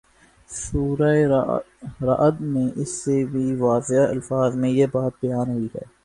سورۂ رعد میں اس سے بھی واضح الفاظ میں یہ بات بیان ہوئی ہے